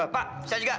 pak saya juga